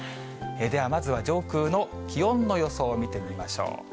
では、まずは上空の気温の予想を見てみましょう。